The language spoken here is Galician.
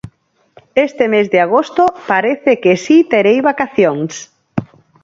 Este mes de agosto parece que si terei vacacións.